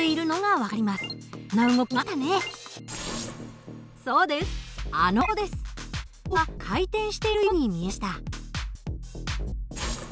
振り子は回転しているように見えました。